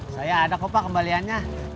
saya ada kok pak kembaliannya